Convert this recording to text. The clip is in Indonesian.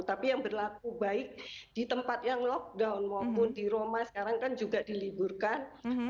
tapi yang berlaku baik di tempat yang lockdown maupun di roma sekarang kan juga diliburkan